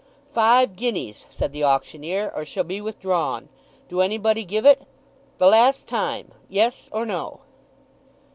"Five guineas," said the auctioneer, "or she'll be withdrawn. Do anybody give it? The last time. Yes or no?"